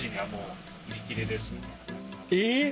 えっ！？